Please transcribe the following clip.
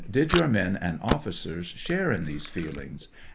Did your men and officers share in these feelings